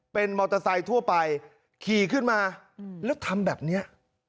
เป็นมอเตอร์ไซค์ทั่วไปขี่ขึ้นมาแล้วทำแบบนี้